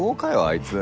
あいつ。